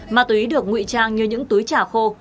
ma túy được ngụy trang như những túi trà khô